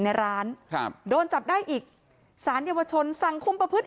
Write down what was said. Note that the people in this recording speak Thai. ในร้านครับโดนจับได้อีกสารเยาวชนสั่งคุมประพฤติ